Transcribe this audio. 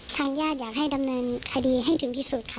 ทางญาติอยากให้ดำเนินคดีให้ถึงที่สุดค่ะ